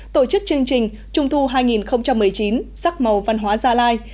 tổ chức chương trình trung thu hai nghìn một mươi chín sắc màu văn hóa gia lai